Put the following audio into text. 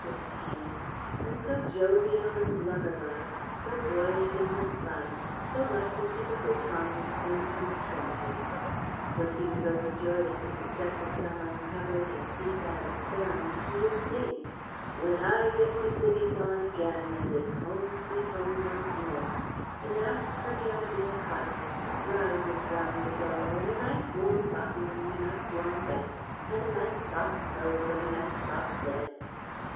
And so jovial and lover like, so boyish in his fun, so like the typical Tommy home from the trenches. When he was overjoyed at the success of some uncovered and peeped at experiment, he would sing, "When I get me civvies on again, an' it's Home Sweet Home once more"; and ask for the ideal cottage "with rowses round the door And a nice warm bottle in me nice warm bed, An' a nice soft pillow for me nice soft 'ead..."